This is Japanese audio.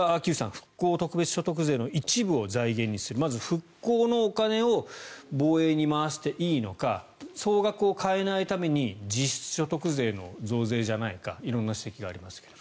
復興特別所得税の一部を財源にするまず復興のお金を防衛に回していいのか総額を変えないために実質所得税の増税じゃないか色んな指摘がありますけど。